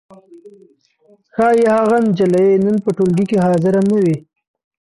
ښايي هغه نجلۍ نن په ټولګي کې حاضره نه وي.